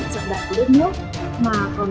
của lực lượng cảnh sát giao thông